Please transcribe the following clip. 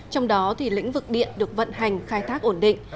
trong đó lĩnh vực điện được vận hành khai thác ổn định